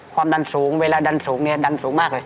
ความดันสูงเวลาดันสูงเนี่ยดันสูงมากเลย